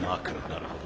なるほど。